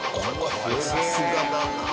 さすがだなあ。